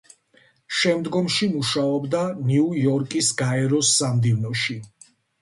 შემდგომში მუშაობდა ნიუ-იორკის გაეროს სამდივნოში.